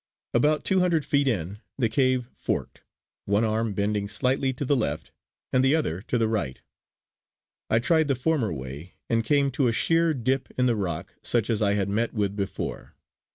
About two hundred feet in, the cave forked, one arm bending slightly to the left and the other to the right. I tried the former way and came to a sheer dip in the rock such as I had met with before.